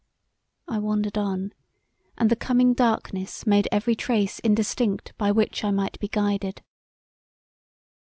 I wandered on, and the coming darkness made every trace indistinct by which I might be guided.